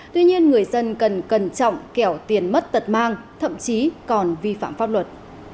tuy nhiên người dân cần cẩn trọng kẻo tiền mất tật mang thậm chí còn vi phạm pháp luật